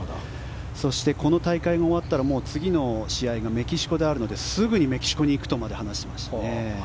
そして、この大会が終わったら次の試合がメキシコであるのですぐにメキシコに行くとまで話してました。